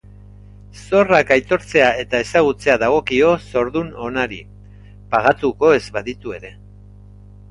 Zorrak aitortzea eta ezagutzea dagokio zordun onari, pagatuko ez baditu ere.